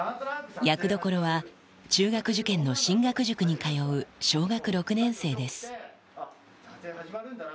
役どころは、中学受験の進学塾に通う、小学６年生です。